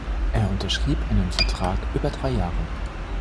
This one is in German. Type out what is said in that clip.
Er unterschrieb einen Vertrag über drei Jahre.